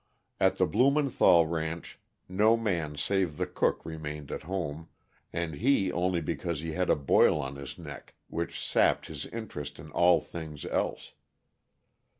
At the Blumenthall ranch no man save the cook remained at home, and he only because he had a boil on his neck which sapped his interest in all things else.